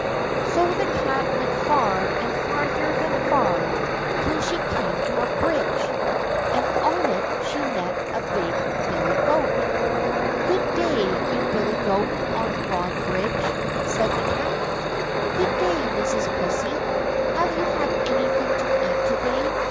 So the cat went far and farther than far, till she came to a bridge, and on it she met a big billy goat. "Good day, you Billy goat on Broad bridge," said the Cat. "Good day, Mrs. Pussy; have you had anything to eat to day?"